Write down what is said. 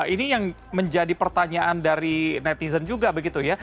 ini yang menjadi pertanyaan dari netizen juga begitu ya